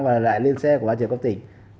và lại lên xe của ban chỉ đạo cấp tỉnh